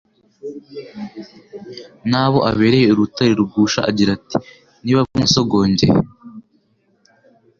n'abo abereye urutare rugusha agira ati : «Niba mwarasogongeye